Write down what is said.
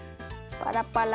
パラパラ。